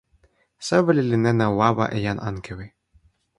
soweli li nena wawa e jan Ankewi.